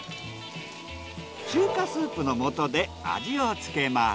中華スープの素で味をつけます。